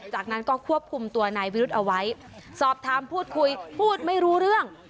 จากนั้นก็ควบคุมตัวนายวิรุธเอาไว้สอบถามพูดคุยพูดไม่รู้เรื่อง